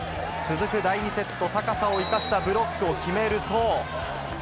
続く第２セット、高さを生かしたブロックを決めると。